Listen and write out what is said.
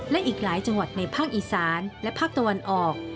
และอีกหลายจังหวัดในภาคอีสานและภาคตะวันออก